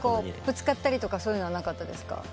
ぶつかったりとかそういうのはなかったですか？